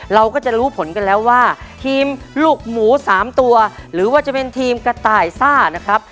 เราก็จะรู้ผลกันแล้วว่าทีมลูกหมู๓ตัวหรือว่าจะเป็นทีมกระต่ายซ่านะครับ